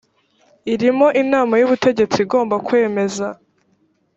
irimo inama y ubutegetsi igomba kwemeza